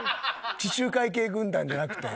地中海系軍団じゃなくて。